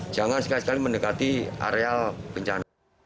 jangan sekali sekali mendekati areal bencana